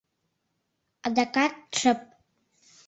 Адакат шып.